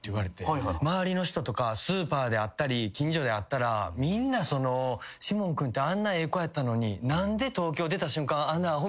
「周りの人とかスーパーで会ったり近所で会ったらみんな『士門君ってあんなええ子やったのに何で』」